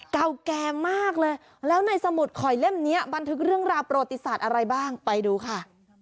เก่าแก่มากเลยแล้วในสมุดข่อยเล่มนี้บันทึกเรื่องราวประวัติศาสตร์อะไรบ้างไปดูค่ะ